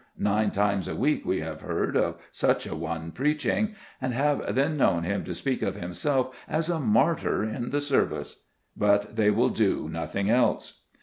Nine times a week we have heard of such a one preaching, and have then known him to speak of himself as a martyr in the service! But they will do nothing else.